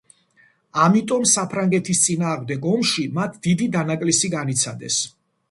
ამიტომ საფრანგეთის წინააღმდეგ ომში მათ დიდი დანაკლისი განიცადეს.